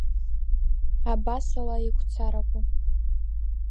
Абасала игәцараку…